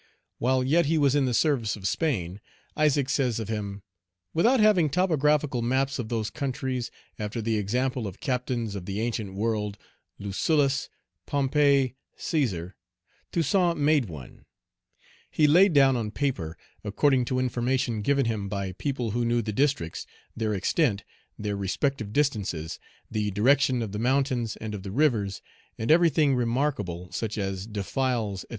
While yet he was in the service of Spain, Isaac says of him, "Without having topographical maps of those countries, after the example of captains of the ancient world, Lucullus, Pompey, Cæsar, Toussaint made one; he laid down on paper, according to information given him by people who knew the districts, their extent, their respective distances, the direction of the mountains and of the rivers, and everything remarkable, such as defiles, &c.